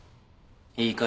いいか？